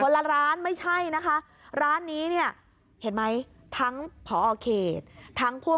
ละร้านไม่ใช่นะคะร้านนี้เนี่ยเห็นไหมทั้งผอเขตทั้งพวก